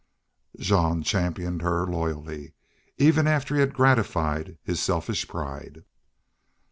Jean championed her loyally, even after he had gratified his selfish pride.